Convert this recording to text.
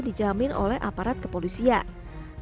dijamin oleh aparat kepolisian